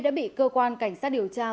ra quyết định tạm giữ hình sự